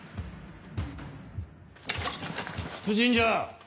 出陣じゃあ！